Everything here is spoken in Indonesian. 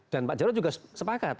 dan pak jaro juga sepakat